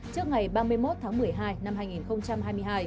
trước ngày ba mươi một tháng một mươi hai năm hai nghìn hai mươi hai